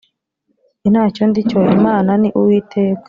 jye nta cyo ndi cyo Imana ni uwiteka